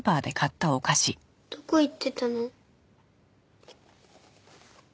どこ行ってたの？